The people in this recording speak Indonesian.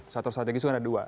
sektor strategis itu ada dua